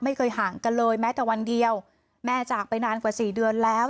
ไม่เคยห่างกันเลยแม้แต่วันเดียวแม่จากไปนานกว่าสี่เดือนแล้ว